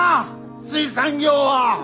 水産業は！